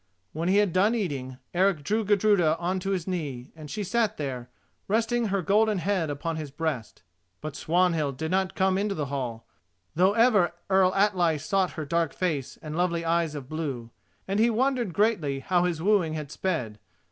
When he had done eating, Eric drew Gudruda on to his knee, and she sat there, resting her golden head upon his breast. But Swanhild did not come into the hall, though ever Earl Atli sought her dark face and lovely eyes of blue, and he wondered greatly how his wooing had sped.